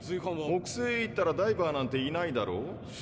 木星へ行ったらダイバーなんていないだろ？